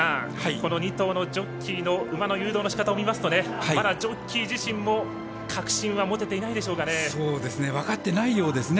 この２頭のジョッキーの馬の誘導のしかたを見ますとまだ、ジョッキー自身も確信はもてていないでしょうかね。